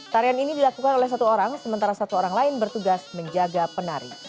tarian ini dilakukan oleh satu orang sementara satu orang lain bertugas menjaga penari